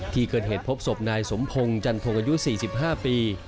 ที่เกิดเหตุพบศพนายสมพงศ์จันทงอายุ๔๕ปี